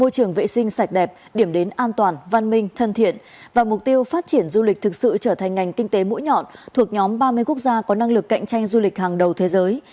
môi trường vệ sinh sạch đẹp điểm đến an toàn văn minh thân thiện và mục tiêu phát triển du lịch thực sự trở thành ngành kinh tế mũi nhọn thuộc nhóm ba mươi quốc gia có năng lực cạnh tranh du lịch hàng đầu thế giới